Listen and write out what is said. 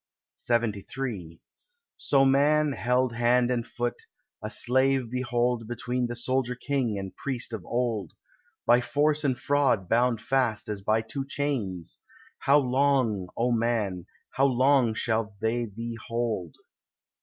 LXXIII So Man, held hand and foot, a slave behold Between the soldier king and priest of old; By force and fraud bound fast as by two chains— How long, O Man, how long shall they thee hold?